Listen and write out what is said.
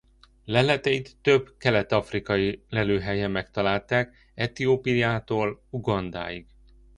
Leleteit több kelet-afrikai lelőhelyen megtalálták Etiópiától Ugandáig.